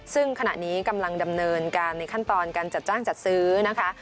ซึ่งขณะนี้กำลังดำเนินการในขั้นตอนการจัดจ้างจัดซื้อนะคะ